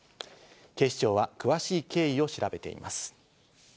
警視庁は詳しい経緯を調べています。